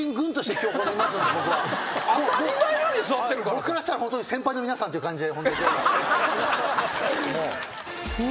僕からしたらホントに先輩の皆さんっていう感じで。